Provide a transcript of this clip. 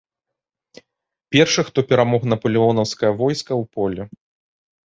Першы, хто перамог напалеонаўскае войска ў полі.